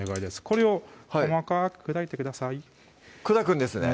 これを細かく砕いてください砕くんですね